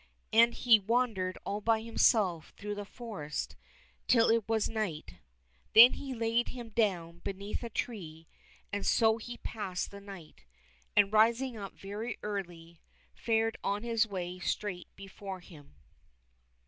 And he wandered all by himself through the forest till it was night. Then he laid him down beneath a tree, and 176 THE TSAR AND THE ANGEL so he passed the night, and rising up very early, fared on his way straight before him.